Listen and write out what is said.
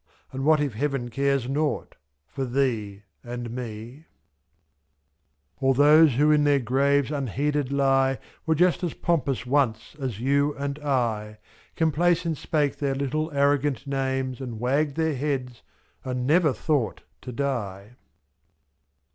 And what if Heaven cares nought — for Thee and Me ? All those who in their graves unheeded lie Were just as pompous once as You and I, Mz Complacent spake their little arrogant names. And wagged their heads, and never thought to die.